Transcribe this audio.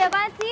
eh apaan sih